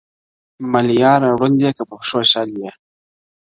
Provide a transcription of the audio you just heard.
• ملیاره ړوند یې که په پښو شل یې -